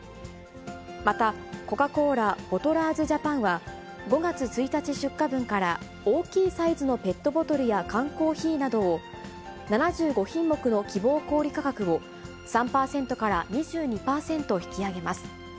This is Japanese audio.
また、コカ・コーラボトラーズジャパンは、５月１日出荷分から、大きいサイズのペットボトルや缶コーヒーなどを、７５品目の希望小売り価格を、３％から２２％引き上げます。